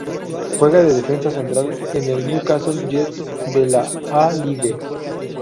Juega de defensa central en el Newcastle Jets de la A-League.